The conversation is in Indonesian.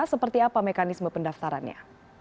seperti apa mekanisme pendaftarannya